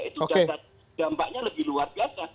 itu dampaknya lebih luar biasa